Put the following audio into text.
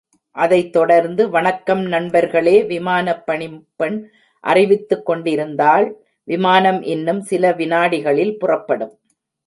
அதைத் தொடர்ந்து வணக்கம் நண்பர்களே! விமானப் பணிப்பெண் அறிவித்துக் கொண்டிருந்தாள் விமானம் இன்னும் சில வினாடிகளில் புறப்படும்.